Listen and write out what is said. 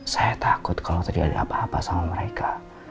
saya takut kalau terjadi apa apa sama mereka